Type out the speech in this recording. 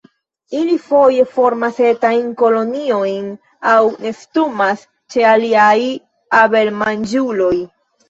Ili foje formas etajn koloniojn, aŭ nestumas ĉe aliaj abelmanĝuloj.